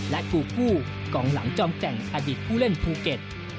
และกูกู้กองหลังจอมแก่งอดีตผู้เล่นภูเก็ต